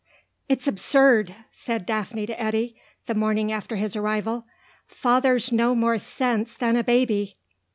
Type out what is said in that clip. "It's absurd," said Daphne to Eddy, the morning after his arrival. "Father's no more sense than a baby.